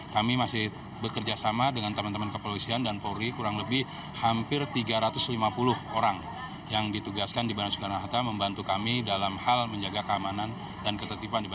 kami masih bekerjasama dengan teman teman kepolisian dan polri kurang lebih hampir tiga ratus lima puluh orang yang ditugaskan di bandara soekarno hatta membantu kami dalam hal menjaga keamanan dan ketertiban di bandara